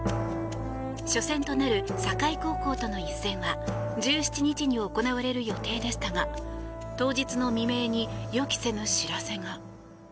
初戦となる境高校との一戦は１７日に行われる予定でしたが当日の未明に予期せぬ知らせが。